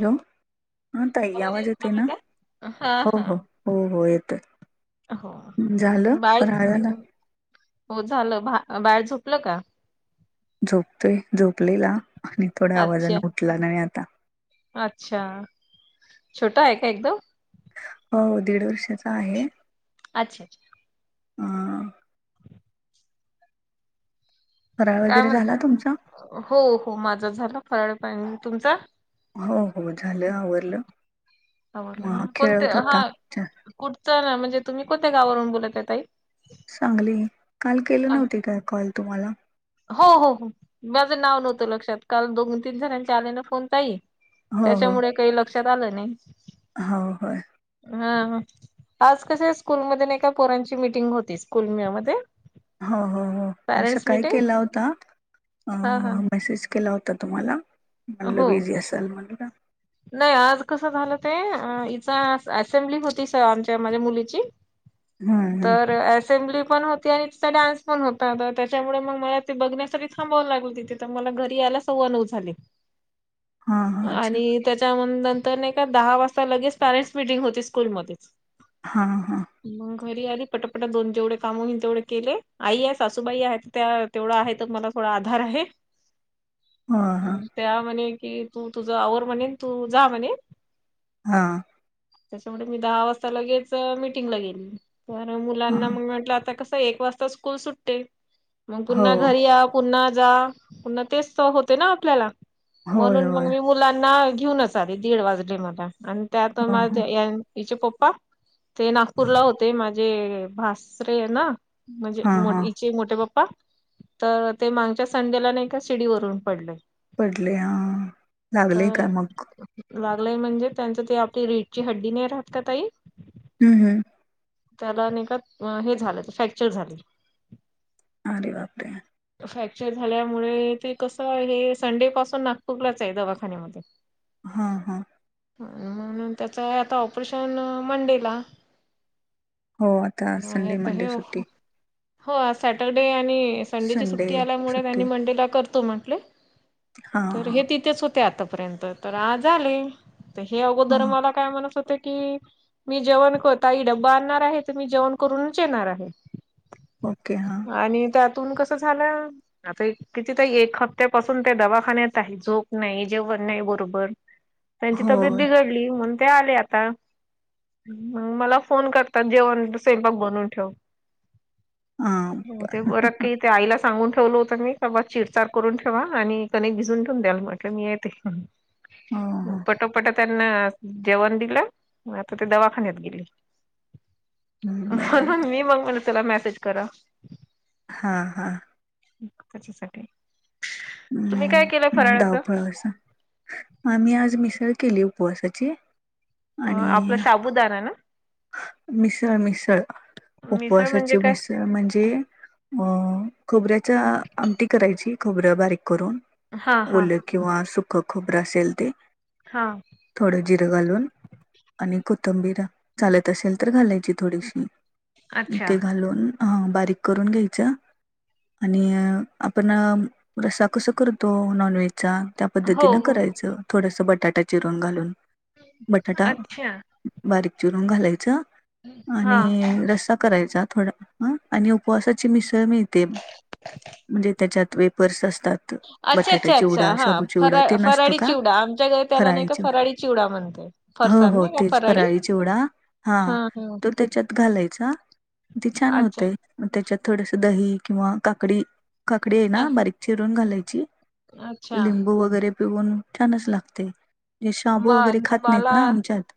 Hello हा ताई आवाज येतो का येतोय ना? माझा? हा हो हा हो. हो हो हो येतोय झालं बाळ फराळाला. हो झालं. बाळ झोपलं का? झोपतोय झोपलेला आणि थोड्या अच्छा आवाजने ऊठला नव्हं का आता. अच्छा छोटा आहे का एकदम? हो दीड वर्षाचा आहे. अच्छा. अं, फराळ काय वगैरे म्हण झाला तुमचा? हो हो माझा झाला फराळ पाणी, तुमचा? हो हो झालं आवरलं. आवरलं म ना, कोणते खेळत हा होता अच्छा, कुठचं ना म्हणजे तुम्ही कोणत्या गावावरून बोलत आहे ताई? सांगली काल केलं सांग. नव्हते काय कॉल तुम्हाला? हो हो हो माझं नाव नव्हतं लक्षात काल दोन तीन जणांचे आले ना फोन ताई. त्याच्यामुळे काही लक्षात आलं नाही. हा होय. हा. आज कसे स्कूलमध्ये नाही का पोरांची मीटिंग होती स्कूल म मध्ये. हो हो हो मी पॅरेंट्स सकाळी मिटिंग केला होता. अ, हा हा. मेसेज केला होता तुम्हाला म्हणलं हो बिझी असाल म्हणलं. नाही आज कसं झालं ते इचा असेंब्ली होती स आमच्या माझ्या मुलीची. हं, हं. तर अ सेंबली पण होती आणि तिचा डान्स पण होता तर त्याच्यामुळे मग मला ते बघण्यासाठी थांबावं लागलं तिथे. तर मला घरी यायला सव्वा नऊ झाले. [unintelligible] हां अच्छा आणि, त्याच्या नंतर नाही का दहा वाजता लगेच पॅरेंट्स मिटिंग होती स्कूलमध्येच. हा हा. मग घरी आली पटापटा दोन जेवढे काम होईल तेेवढे केले आई आहे सासूबाई आहेत त्या तेवढ आहे तर मला थोडा आधार आहे. [unintelligible] हा त्या म्हणे कि तू तुझं आवर म्हणे तू जा म्हणे. हा. त्याच्यामुळे मी दहा वाजता लगेच मीटिंगला गेली. तर हा मुलांना मग म्हटलं आता कसं एक वाजता स्कूल सुटते. मग हो पुन्हा घरी या पुन्हा जा पुन्हा तेच तर होते ना आपल्याला होय म्हणून होय मग मी मुलांना घेऊनच आले दीड वाजले मला आणि त्यात हो हो मला या हिचे पप्पा ते नागपूरला होते माझे भासरे आहे ना, म्हणजे हा मो हा हीचे मोठे पप्पा. तर ते मांगच्या संडेला नाही का शिडी वरून पडले. पडले हा लागले तर का मग? लागलंय म्हणजे त्यांचं ते आपली रीडची हड्डी नाही राहात का ताई, हम् हम. त्याला नाही का हे झालं फॅक्चर झाले. अरे बापरे! फॅक्चर झाल्यामुळे ते कसं आहे संडे पासून नागपूरलाच आहे दवाखान्यामध्ये. हां हां. म्हणून त्याच आहे आता ऑपरेशन मंडेला. हो आता हे संडे तर हे मंडे सुट्टी. हो आज सॅटरडे आणि संडेची संडे सुट्टी आल्यामुळे सुट्टी त्यांनी मंडेला करतो म्हटले. हा तर हा हे तिथेच होते आतापर्यंत, तर आज आले. हे हा अगोदर मला काय म्हणत होते की मी जेवण कर ताई डबा आणणार आहे तर मी जेवण करूनचं येणार आहे. ओके हां. आणि त्यातून कसं झालं आता किती तिथं एक हप्त्यापासून ते दवाखान्यात आहे झोप नाही जेवण नाही बरोबर. [inaudible] त्यांची तब्येत बिघडली, म्हणून ते आले आता, मग मला फोन कर तात जेवण स्वयंपाक बनवून ठेव. आं ते बरं की, ते आईला सांगून ठेवलं होतं मी, की बाबा चिरचार करून ठेवा आणि कणिक भिजून ठेऊून द्याल म्हण टलं मी येते. हो मग हो पट-पट त्यांना जेवण दिलं, मग आता ते दवाखान्यात गेले. बर म्हणून मी मग म्हनलं, त्याला मेसेज करावं. हां हां. त्याच्यासाठी, तुम्ही काय केलं हम्म फराळाचं? धावपळ असं आम्ही आज मिसळ केली उपवासाची अ आपला साबुदाणा ना? मिसळ-मिसळ, मिसळ म्हणजे उपवासाची काय मिसळ. म्हणजे अ खोबऱ्याच आमटी करायची, खोबरं बारीक करून हा हा ओलं किंवा सुकं खोबरं असेल ते हां. थोडं जिरं घालून आणि कोथिंबीर चालत असेल तर घालायची थोडीशी, अच्छा ते घालून हां बारीक करून घ्यायचं आणि आपण रस्सा कसा करतो, नॉन व्हेजचा त्या हो पद्धतीनं हो करायचं, थोडसं बटाटा चिरून घालून. बटाटा अच्छा बारीक चिरून घालायचं हा आणि रस्सा करायचा थोडा, हां आणि उपवासाची मिसळ मिळते, म्हणजे त्याच्यात वेपर्स असतात बटाटा अच्छा-अच्छा-अच्छा, चिवडा, हां शाबू फ चिवडा ते नसतो फराळी का चिवडा, आमच्याकडे त्याला नाही का फराळी चिवडा म्हणतात. हो-हो, तेच फराळी चिवडा हां हा तो त्याच्यात घालायचा, ते हा छान अच्छा होतंय. मग त्याच्यात थोडसं दही किंवा काकडी, काकडी आहे अ ना बारीक चिरून घालायची. अच्छा लिंबू वगैरे पिळुन छानचं लागते. हे म शाबू वगैरे खात नाहीत मला ना आमच्यात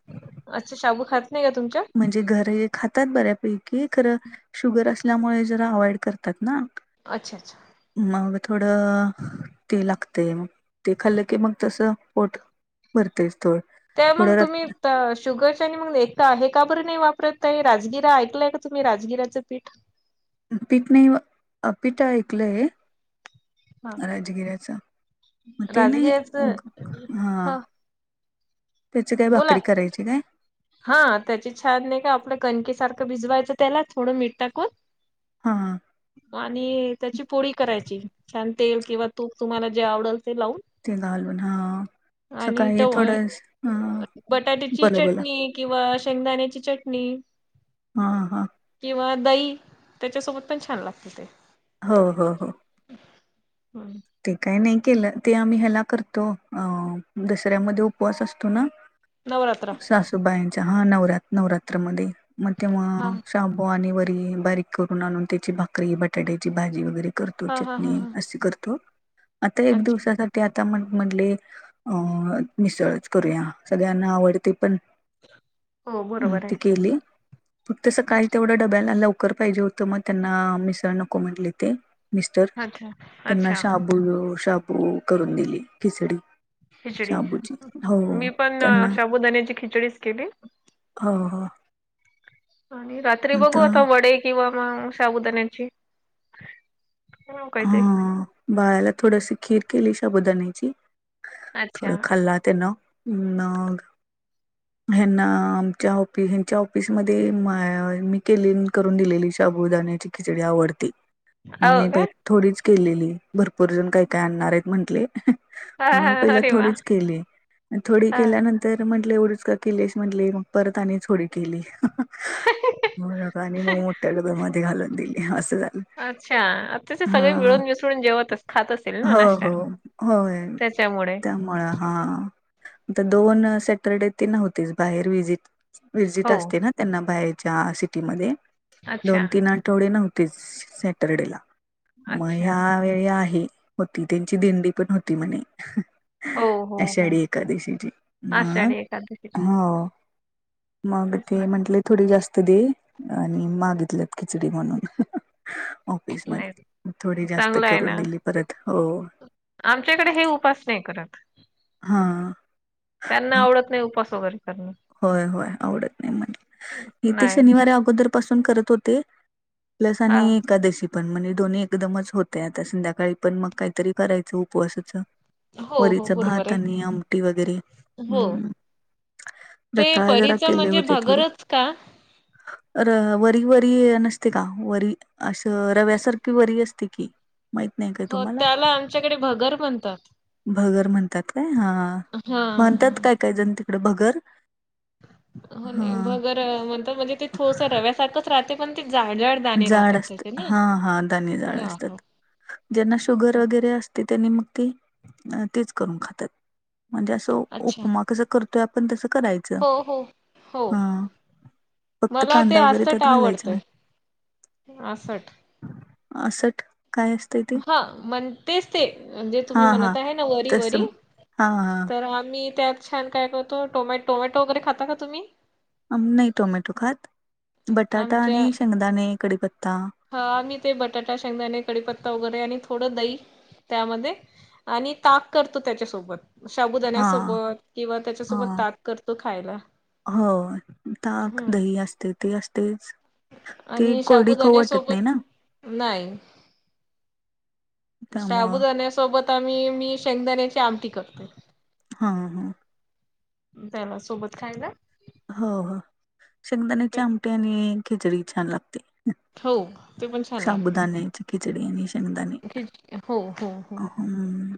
अच्छा! शाबू खात नाही का तुमच्यात? म्हणजे घरी खातात बऱ्यापैकी, खरं शुगर असल्यामुळे जरा अवॉइड करतात ना. अच्छा! अच्छा! मग थोडं ते लागतंय मग, ते खाल्लं की मग तसं पोट भरतयचं थोड, थोड तर शुगरच्या आणि मग एका हे का बरं नाही वापरत राजगिरा ऐकलंय का तुम्ही राजगिराचं पीठ? पीठ नाही ब, अ पीठ ऐकलय. हा राजगिऱ्याचं, मग ते नाही, राजगिऱ्याचं हा. त्याची काय बोला भाकरी करायची काय? हा त्याची छान नाही का आपलं कणकीसारखं भिजवायचं त्याला थोडं मीठ टाकून. हा. आणि त्याची पोळी करायची, छान तेल किंवा तूप तुम्हाला जे आवडेल ते लावून. ते घालून हा, आणि सकाळी तेव्हा थोडास बटाट्याची चटणी किंवा शेंगदाण्याची चटणी हा हा. किंवा दही त्याच्यासोबत पण छान लागतं ते. हो, हो, हो. [inaudible] हम्. ते काही नाही केलं, ते आम्ही ह्याला करतो अ दसऱ्यामध्ये उपवास असतो न. नवरात्र सासूबाईंच्या, हा नवर-नवरात्रामध्ये, मग तेव्हा हा शांबू आणि वरी बारीक करून आणून त्याची भाकरी, बटाट्याची भाजी वगैरे करतो हा हा हा चटणी हा असी करतो आता एक अच्छा दिवसाचा ते आता म म्हटले अ मिसळच करूया सगळ्यांना आवडते पण. हो मग बरोबर ते आहे केले. फक्त सकाळी तेवढं डब्याला लवकर पाहिजे होतं मग त्यांना मिसळ नको म्हणटलीत ते मिस्टर अच्छा त्यांना अच्छा शाबू शाबू करून दिली खिचडी. खिचडी, शाबूची हो मी पण त्यांना शबुदाण्याची खिचडीच केली. हो हो. आणि रात्री बघू आता वडे किंवा मग शाबुदाानची. [inaudible] हो हा कायचंय. बाळाला थोडस खीर केली शबुदानीची अच्छा थोड खाल्ला त्यांन. नग हेना आमच्या ऑफि हेंच्या ऑफिसमध्ये मी केले करून दिलेली शाबूदाण्याची खिचडी आवडती. मग मी हो पहि का थोडीच केलेली भरपूर जण काय-काय आणणार आहेत म्हंटले. हा म्हणून हा पहिला अरे वा थोडीच केली थोडी हा केल्यानंतर म्हणटल एवढच का केलेस म्हटले मग परत आणि थोडी केली. होय का आणि मग मोठ्या डब्यामध्ये घालून दिली असं झालं. अच्छा त्याचे सगळे हा मिळून मिसळून जेवतच खात असेल ना हो नाश्ता हो होय त्याच्यामुळे. त्यामुळं हा त दोन सॅटरडे ते नव्हतीच बाहेर विजिट विजिट हो. असते ना त्यांना बाहेरच्या सिटीमध्ये अच्छा, दोन-तीन आठवडे नव्ह तेच सॅटरडेला मग अच्छा. ह्या वेळी आहे. होती त्यांची दिंडी पण होती म्हणे. हो, हो, हो. आषाढ एकादशीची मग आषाढी एकादशीची हो [inaudible] मग तेच ते ना. म्हंटले थोडी जास्त दे आणि मागितलेत खिचडी म्हणून. ऑफिस नाही, मध्ये म थोडी जास्त चांगलं आहे करून ना. दिली परत हो. आमच्याकडे हे उपास नाही करत. हा. त्यांना हा आवडत नाही उपास वगैरे करणं. होय होय आवडत नाही म्हण, हे ते नाही. शनिवार अगोदर पासून करत होते प्लस आणि हां. एकादशी पण म्हणजे दोन्ही एकदमच होतय, आता संध्याकाळी पण मग काहीतरी करायच उपवासाच हो, हो. वरीच बरोबर भात आहे. आणि आमटी वगैरे, हो. हम्म ते रताळ जरा परीचा केले म्हणजे होते थोडं. भगरच का? र वरी वरी नसते का, वरी असं रव्यासारखी वरी असते की माहित नाही काय? हो तुम्हाला त्याला आमच्याकडे भगर म्हणतात. भगर म्हणतात काय?, हा हां, म्हणत्यात हां. काय काय जण तिकडे भगर. हो हा नाही भगर अ म्हणतात, म्हणजे ते थोडसं रव्यासारखंच राहते पण ते जाड जाड दाणे जाड राहतात असते, त्याचे ना. हा हा दाने जाड हां, हां. असतात, ज्यांना शुगर वगैरे असत ते त्यांनी मग ते तेच करून खातात, म्हणजे असं अच्छा उपमा कस कर तोय आपण तसं कराय हो हो हो फक्त मला ते कांदा वगैरे आसट त्यात घालायचं आवडतय नाही आसट आसट काय असत? हा म्हण तेच ते, म्हणजे तुम्ही हा हा. म्हणत आहे ना वरी वरी तसं हा तर आम्ही त्याच्यात काय करतो, टोमॅटो वगैरे खाता का तुम्ही? आम्ही नाही टोमॅटो खात, बटाटा आमच्या आणि शेंगदाणे कडीपत्ता हा आम्ही ते बटाटा, शेंगदाणे आणि कडीपत्ता वगैरे आणि थोडं दही त्यामध्ये आणि ताक करतो त्याच्यासोबत. हा शाबुदाण्यासोबत किंवा त्याच्यासोबत हा. ताक करतो खायला. हो ताक, हम्म दही हे असतय, ते असतयच ती आणि कोरडी खाऊ वाटत नाही शाबुदाण्यासोबत ना. नाही, त्यामुळं शाबुदान्यासोबत आता मी मी शेंगदाण्याची आमटी करतो. हा हा त्याला सोबत खायला? हो हो, शेंगदाण्याची आमटी आणि खिचडी छान लागते हो ते पण छान लागत शाबुदाण्याची खिचडी आणि शें हो हो हो हम्म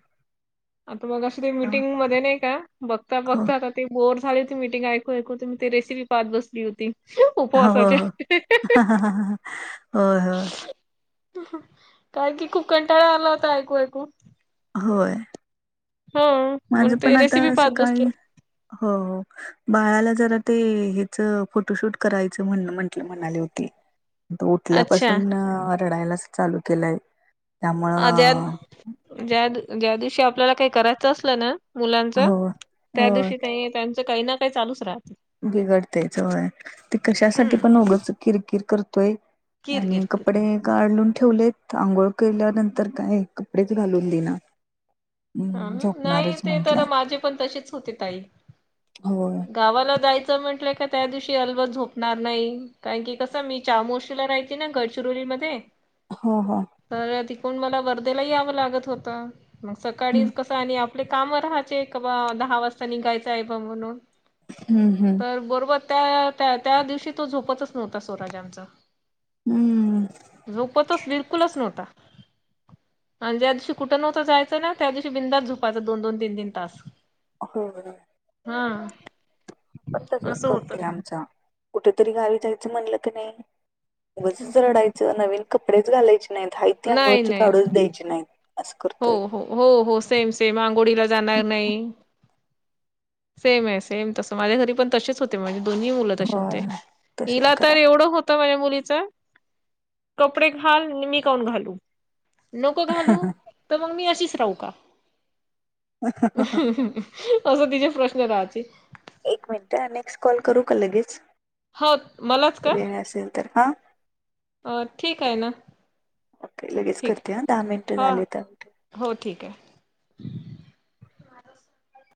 आता बघा श्री हो मीटिंगमध्ये नाही का बघता हो बघता आता ते बोर झाली होती मीटिंग ऐकू ऐकू, त मी ते रेसिपी पाहत बसली होती. हो उपवासाच्या हो होय होय काय की खूप कंटाळा आला होता ऐकू ऐकू. होय हम्म माझं पण आता सकाळी, हो हो बाळाला जरा ते हेच फोटोशूट करायच म्हण म्हंटल म्हणाले होती. तो अच्छा उठल्यापासून अ रडायलाच चालू केलाय त्यामुळ हा ज्यात ज्या ज्या दिवशी आपल्याला काही करायच असलं ना मुलांच, हो त्या होय दिवशी काही त्यांच काही ना काही चालूच राह बिघडतयच, होय ते कशासाठी हम्म पण उगच किरकिर करतोय. किर किर आणि किर कपडे काढून ठेवलेत आंघोळ केल्यानंतर काय कपडेच घालून देईना. अ हम्म हा नाई झोपणारच ते म्हंटलं तर माझे पण तसेच होते ताई. होय गावाला जायचं म्हंटलं का त्या दिवशी अलबद झोपणार नाई कारण की कसं मी चामोशीला राहयचे ना गडचिरोलीमध्ये. हो हा. तर तिकून मला वर्धेला यावं लागत होतं. मग हम्म सकाळीच कसं आणि आपले काम राहायचे क बा दहा वाजता निघायचंय बा म्हणून हम्म हम्म. तर बरोबर त्या त्या त्या दिवशी तो झोपतच नव्हता स्वराज आमचा हम्म झोपतच बिलकुलच नव्हता. आणि ज्या दिवशी कुठ नव्हतं जायचं ना त्या दिवशी बिंदास झोपायचं दोन - दोन, तीन - तीन तास. हो. हा. पण तसच असं होतं करतोय आमचा कुठतरी गावी जायचं म्हणलं की नाई उगाचच रडायचं नवीन कपडेच घालायचे नाइत हायती नाही अंगावरची नाही काढूच द्यायची नाईत. असं हो करतोय. हो हो हो सेम सेम आंघोडीला जाणार नाय. सेमय सेम तस माझ्या घरी पण तसेच होते माझे दोन्ही मुलं तसे होते होय तसच इिला तर एवढं हो त माझ्या मुलीचा कपडे घाल [unintelligible] मी काऊन घालू. नको घालू करायला तर मग मी अशीच राहू का असं तिचे प्रश्न राहायचे. एक मिनट नेक्स्ट कॉल करू का लगेच? हो मलाच का? वेळ असेल तर हा अ ठीक हाय ना. काय लगेच ठीक करते हा दहा मिनटं हा झाले तर हो ठीक आहे.